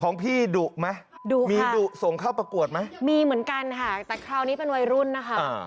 ของพี่ดุไหมดุมีดุส่งเข้าประกวดไหมมีเหมือนกันค่ะแต่คราวนี้เป็นวัยรุ่นนะคะ